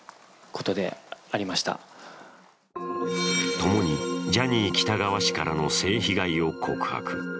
共にジャニー喜多川氏からの性被害を告白。